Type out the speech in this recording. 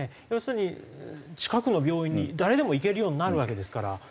要するに近くの病院に誰でも行けるようになるわけですから。